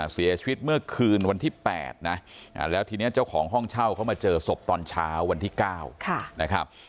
เสียชีวิตเมื่อคืนวันที่๘นะแล้วทีนี้เจ้าของห้องเช่าเขามาเจอศพตอนเช้าวันที่๙นะครับ